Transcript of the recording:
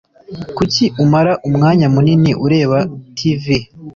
Kuki umara umwanya munini ureba TV?